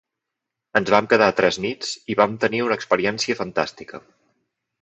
Ens vam quedar tres nits i vam tenir una experiència fantàstica.